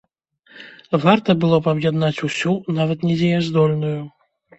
Варта было б аб'яднаць усю, нават недзеяздольную.